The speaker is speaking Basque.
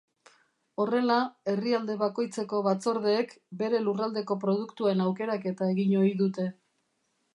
Horrela, herrialde bakoitzeko batzordeek bere lurraldeko produktuen aukeraketa egin ohi dute.